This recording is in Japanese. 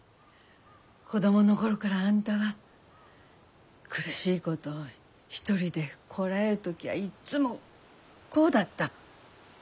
子供の頃からあんたが苦しいことを一人でこらえる時はいっつもこうだった。